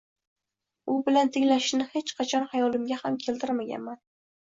U bilan tenglashishni hech qachon xayolimga ham keltirmaganman